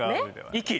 「息」！